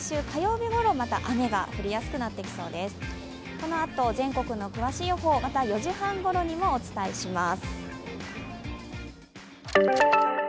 このあと全国の詳しい予報、また４時半ごろにもお伝えします。